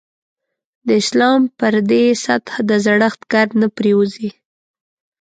د اسلام پر دې سطح د زړښت ګرد نه پرېوځي.